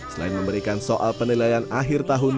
selain memberikan soal penilaian akhir tahun